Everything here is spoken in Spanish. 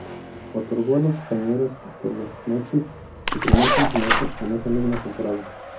Otorgó a los Cañeros de Los Mochis su primer campeonato en esa misma temporada.